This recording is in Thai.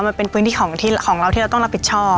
มันเป็นพื้นที่ของเราที่เราต้องรับผิดชอบ